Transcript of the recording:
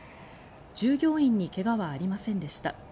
従業員に怪我はありませんでした。